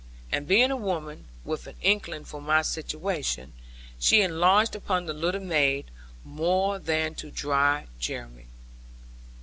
And being a woman, with an inkling of my situation, she enlarged upon the little maid, more than to dry Jeremy.